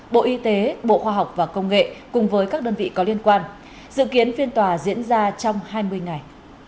bộ y tế bộ khoa học và công nghệ cùng với các đơn vị có liên quan dự kiến phiên tòa diễn ra trong hai mươi ngày